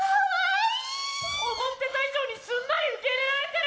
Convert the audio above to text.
思ってた以上にすんなり受け入れられてる！